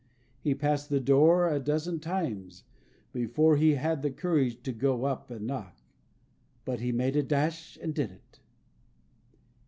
He passed the door a dozen times before he had the courage to go up and knock. But he made a dash and did it.